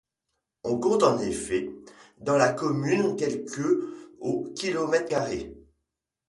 On compte en effet, dans la commune, quelque au kilomètre carré.